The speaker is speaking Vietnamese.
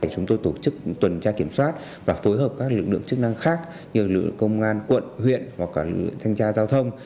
chúng tôi tổ chức tuần tra kiểm soát và phối hợp các lực lượng chức năng khác như công an quận huyện và cả lực lượng thanh tra giao thông